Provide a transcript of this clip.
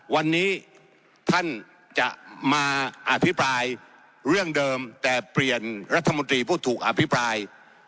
วันนี้ท่านจะมาอภิปรายเรื่องเดิมแต่เปลี่ยนรัฐมนตรีผู้ถูกอภิปราย